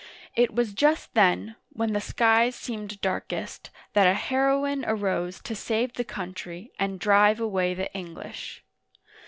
It was just then, when the skies seemed darkest, that a heroine arose to save the country and drive away the English.